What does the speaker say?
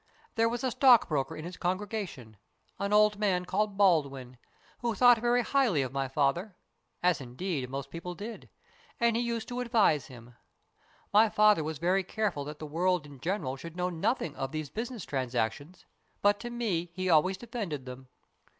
There was a stockbroker in his congrega tion, an old man called Baldwin, who thought very BURDON'S TOMB 97 highly of my father as, indeed, most people did and he used to advise him. My father was very careful that the world in general should know nothing of these business transactions, but to me he always defended them.